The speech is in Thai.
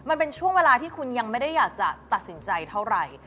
มันเป็นช่วงเวลาที่คุณยังไม่ได้อยากจะตัดสินใจเท่าไหร่